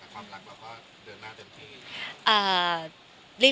แล้วความรักเราก็เดินหน้าเดินไป